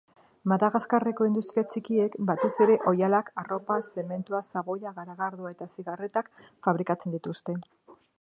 Madagaskarreko industria txikiek batez ere oihalak, arropa, zementua, xaboia, garagardoa eta zigarretak fabrikatzen dituzte.